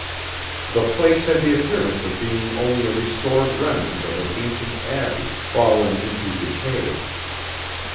The place had the appearance of being only a restored remnant of an ancient abbey fallen into decay.